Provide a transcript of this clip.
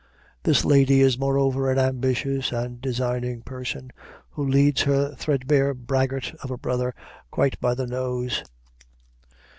This lady is moreover an ambitious and designing person, who leads her thread bare braggart of a brother quite by the nose.